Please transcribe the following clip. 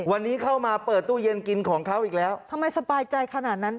วันนี้เข้ามาเปิดตู้เย็นกินของเขาอีกแล้วทำไมสบายใจขนาดนั้น